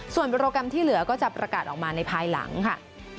ส่วนโปรแกรมที่เหลือก็จะประกาศออกมาในภายหลังค่ะ